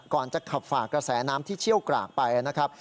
จะขับฝากกระแสน้ำที่เชี่ยวกรากไปนะครับ